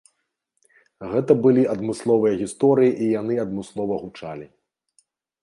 Гэта былі адмысловы гісторыі і яны адмыслова гучалі.